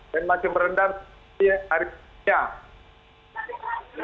dan masih merendam setiap harinya